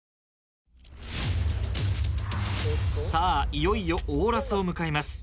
いよいよオーラスを迎えます。